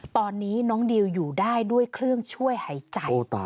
ตอนนี้น้องดิวอยู่ได้ด้วยเครื่องช่วยหายใจ